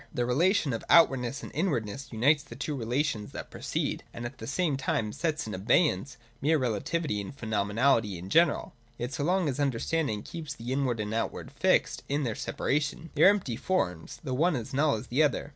The relation of Outward and Inward unites the two rela tions that precede, and at the same time sets in abeyance mere relativity and phenomenality in general. Yet so long as understanding keeps the Inward and Outward fixed in their separation, they are empty forms, the one as null as the other.